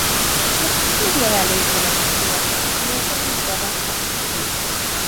Los usos medievales de la tintura no se limitaban a textiles.